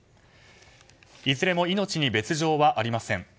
いずれも命に別条はありません。